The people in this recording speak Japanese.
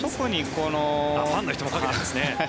ファンの人もかけてますね。